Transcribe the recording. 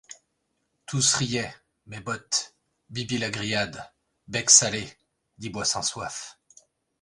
Tous riaient, Mes-Bottes, Bibi-la-Grillade, Bec-Salé, dit Boit-sans-Soif.